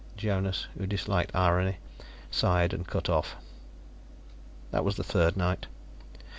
Jonas, who disliked irony, sighed and cut off. That was the third night.